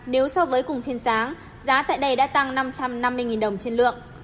nếu so với cùng phiên sáng giá tại đây đã tăng năm trăm năm mươi đồng trên lượng